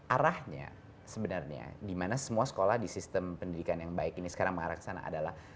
arahnya sebenarnya dimana semua sekolah di sistem pendidikan yang baik ini sekarang mengarah ke sana adalah